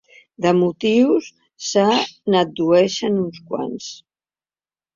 De motius, se n’addueixen uns quants.